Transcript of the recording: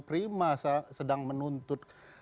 prima sedang menuntut